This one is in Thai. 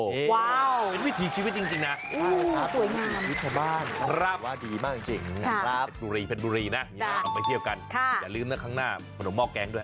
โหห่อเป็นวิถีชีวิตจริงนะวิธีบ้านว่าดีมากจริงแผนบุรีนะอย่าลืมครั้งหน้ามะหน่วยมอกแกงด้วย